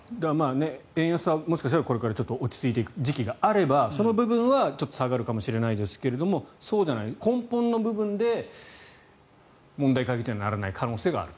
円安はもしかしたらこれから落ち着いていく時期があればその部分はちょっと下がるかもしれないけどそうじゃない根本の部分で問題解決にならない可能性がある。